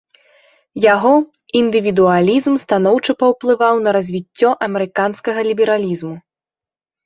Яго індывідуалізм станоўча паўплываў на развіццё амерыканскага лібералізму.